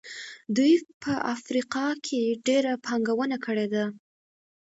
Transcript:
دوی په افریقا کې ډېره پانګونه کړې ده.